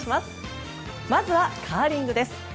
まずはカーリングです。